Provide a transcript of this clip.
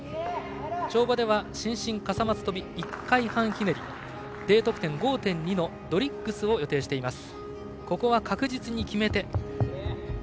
跳馬では伸身カサマツとび１回半ひねりＤ得点５．２のドリッグスを予定しています。